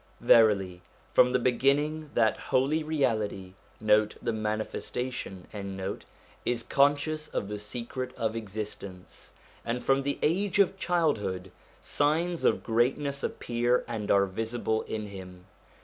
Verily from the beginning that Holy Reality 1 is con scious of the secret of existence, and from the age of child hood signs of greatness appear and are visible in him.